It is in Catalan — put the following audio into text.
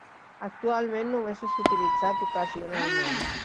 Actualment només és utilitzat ocasionalment.